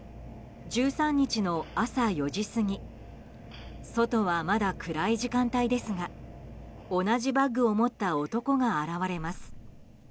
１３日の朝４時過ぎ外はまだ暗い時間帯ですが同じバッグを持った男が現れます。